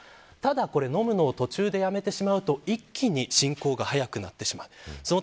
ただ、飲むのを途中でやめてしまうと一気に進行が早くなってしまう。